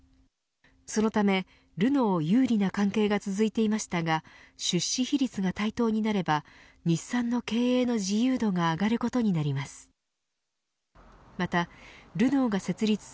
そのためルノー有利な関係が続いていましたが出資比率が対等になれば日産の経営の自由度が上がることになります。